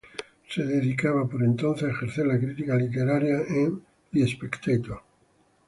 Se dedicaba por entonces a ejercer la crítica literaria en "The Spectator".